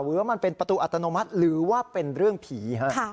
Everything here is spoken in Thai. หรือมันเป็นประตูอัตโนมัติหรือว่าเป็นเรื่องผี